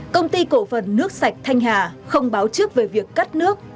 công ty cổ phần nước sạch thanh hà không báo trước về việc cắt nước